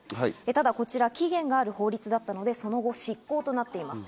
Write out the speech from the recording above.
ただ、こちら期限がある法律だったので、その後、失効となっています。